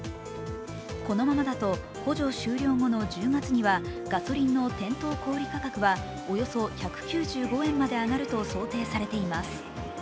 このままだと補助終了後の１０月にはガソリンの店頭小売価格はおよそ１９５円まで上がると想定されています。